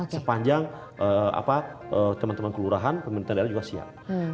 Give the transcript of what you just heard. sepanjang teman teman kelurahan pemerintahan dl juga siap